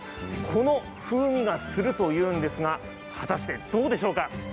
この風味がするというんですが果たして、どうでしょうか。